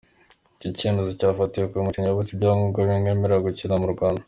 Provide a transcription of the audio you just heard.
Iki cyemezo cyafatiwe ko uyu mukinnyi yabuze ibyangombwa bimwemerera gukina mu Rwanda.